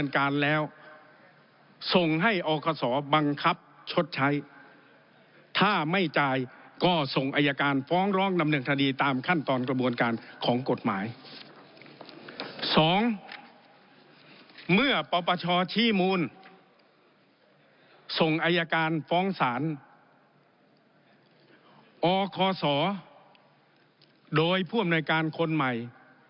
อคศโดยผู้อำนวยการคนใหม่